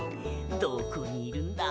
どこにいるんだ？